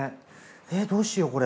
えっどうしようこれ。